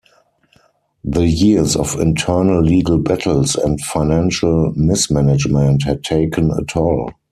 The years of internal legal battles and financial mismanagement had taken a toll.